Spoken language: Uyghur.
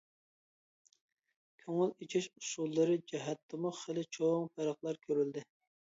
كۆڭۈل ئېچىش ئۇسۇللىرى جەھەتتىمۇ خېلى چوڭ پەرقلەر كۆرۈلدى.